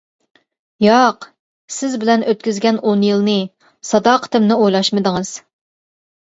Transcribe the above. ياق. سىز بىلەن ئۆتكۈزگەن ئون يىلنى، ساداقىتىمنى ئويلاشمىدىڭىز.